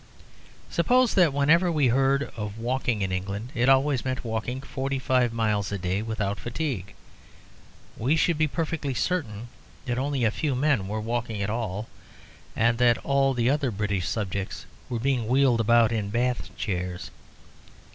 Suppose that whenever we heard of walking in England it always meant walking forty five miles a day without fatigue. We should be perfectly certain that only a few men were walking at all, and that all the other British subjects were being wheeled about in Bath chairs.